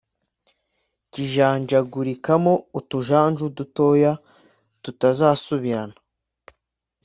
kijanjagurikamo utujanju dutoya tutazasubirana,